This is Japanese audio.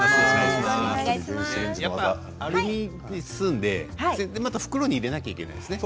やっぱアルミに包んでまた袋に入れなきゃいけないんですね。